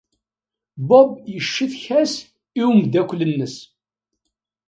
Bob yeccetka-as i umeddakel-nnes.